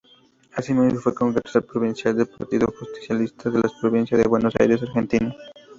Asimismo fue Congresal Provincial del Partido Justicialista de la Provincia de Buenos Aires, Argentina.